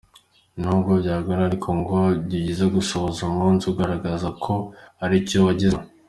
Nubwo byagorana ariko ngo ni byiza gusoza umunsi ugaragaza ko hari icyo wagezeho.